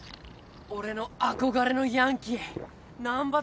俺の憧れのヤンキー難破